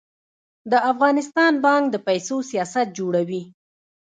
د افغانستان بانک د پیسو سیاست جوړوي